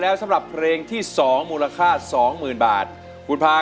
แล้วสำหรับเพลงที่สองมูลค่าสองหมื่นบาทคุณพา